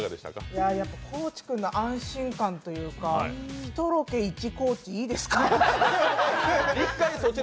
高地君の安心感とか、１ロケ１高地、いいですか？